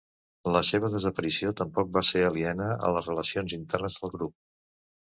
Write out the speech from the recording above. La seva desaparició tampoc va ser aliena a les relacions internes del grup.